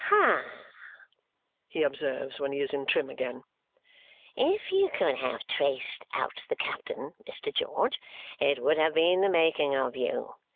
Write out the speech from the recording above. "Ha!" he observes when he is in trim again. "If you could have traced out the captain, Mr. George, it would have been the making of you.